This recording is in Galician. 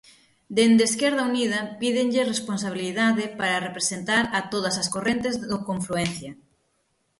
Dende Esquerda Unida pídenlle responsabilidade para representar a todas as correntes do confluencia.